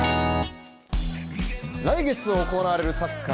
来月行われるサッカー